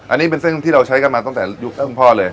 อันนี้เป็นเส้นที่เราใช้กันมาตั้งแต่ยุคให้คุณพ่อเลย